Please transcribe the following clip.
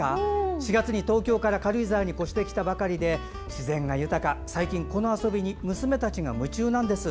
４月に東京から軽井沢に越してきたばかりで自然が豊か、最近この遊びに娘たちが夢中なんです。